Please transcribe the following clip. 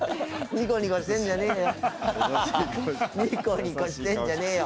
ニコニコしてんじゃねえよ